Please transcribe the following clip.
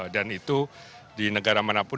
itu di negara manapun